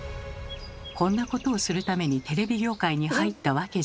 「こんなことをするためにテレビ業界に入ったわけじゃない」。